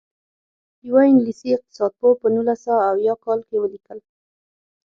یوه انګلیسي اقتصاد پوه په نولس سوه اویاووه کال کې ولیکل.